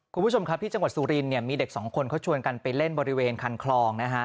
คุณผู้ชมครับที่จังหวัดสุรินเนี่ยมีเด็กสองคนเขาชวนกันไปเล่นบริเวณคันคลองนะฮะ